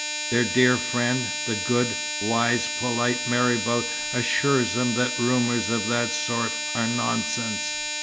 Their dear friend, the good, wise, polite marabout assures them that rumours of that sort are nonsense.